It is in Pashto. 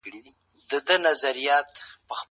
زه مخکي ليک لوستی و؟!